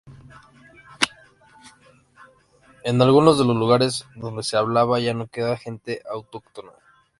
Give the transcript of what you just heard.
En algunos de los lugares donde se hablaba ya no queda gente autóctona.